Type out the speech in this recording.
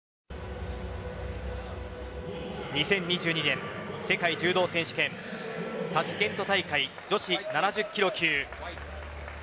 ２０２２年世界柔道選手権タシケント大会女子７０キロ級。